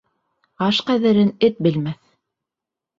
Аш ҡәҙерен эт белмәҫ!